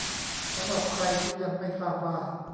สำหรับใครที่ยังไม่ทราบว่า